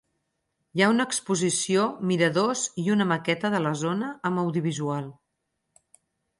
Hi ha una exposició, miradors i una maqueta de la zona amb audiovisual.